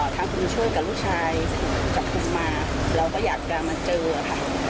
ทางคุณช่วยกับลูกชายจับคุณมาเราก็อยากกลางมาเจอค่ะ